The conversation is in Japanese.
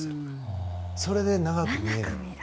それで長く見える。